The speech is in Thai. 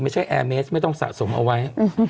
แอร์เมสไม่ต้องสะสมเอาไว้